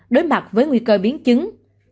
đối mặt với nguy cơ biến chứng